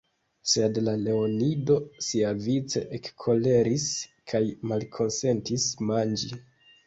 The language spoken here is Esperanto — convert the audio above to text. Sed la leonido siavice ekkoleris kaj malkonsentis manĝi.